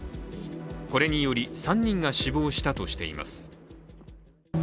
これにより、３人が死亡したとしています。